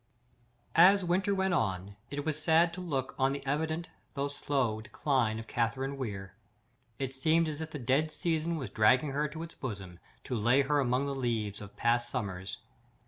As the winter went on, it was sad to look on the evident though slow decline of Catherine Weir. It seemed as if the dead season was dragging her to its bosom, to lay her among the leaves of past summers.